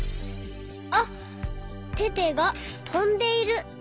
あっテテがとんでいる。